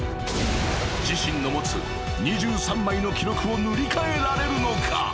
［自身の持つ２３枚の記録を塗り替えられるのか？］